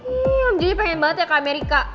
ih om jojo pengen banget ya ke amerika